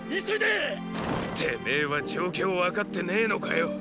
てめェは状況分かってねェのかよ。